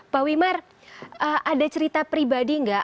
pak wimar ada cerita pribadi nggak